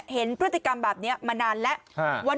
เห็นพฤติกรรมแบบนี้มานานแล้ว